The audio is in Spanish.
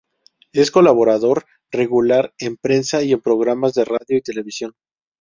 Es colaborador regular en prensa y en programas de radio y televisión.